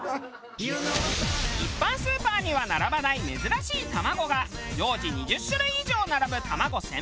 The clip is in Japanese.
一般スーパーには並ばない珍しい卵が常時２０種類以上並ぶ卵専門店。